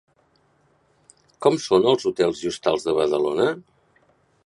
Com són els hotels i hostals de Badalona?